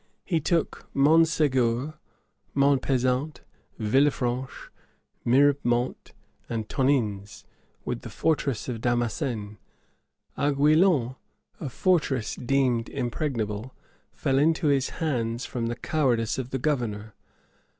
He took Monsegur, Monpesat, Villefranche, Miremont, and Tonnins, with the fortress of Damassen. Aiguillon, a fortress deemed impregnable, fell into his hands from the cowardice of the governor.